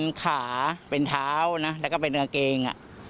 เป็นขาเป็นเท้านะแล้วก็เป็นกางเกง